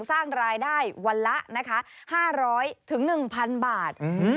สร้างรายได้วันละนะคะ๕๐๐๑๐๐บาท